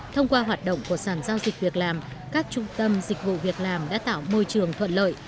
thông qua hoạt động của sản giao dịch việc làm các trung tâm dịch vụ việc làm đã tạo môi trường thuận lợi